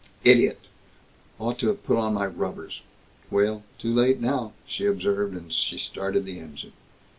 "Idiot! Ought to have put on my rubbers. Well too late now," she observed, as she started the engine.